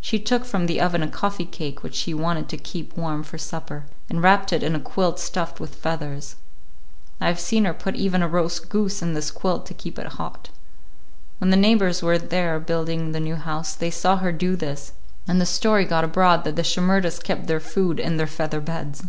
She took from the oven a coffee cake which she wanted to keep warm for supper, and wrapped it in a quilt stuffed with feathers. I have seen her put even a roast goose in this quilt to keep it hot. When the neighbors were there building the new house they saw her do this, and the story got abroad that the Shimerdas kept their food in their feather beds.